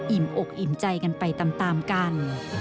อกอิ่มใจกันไปตามกัน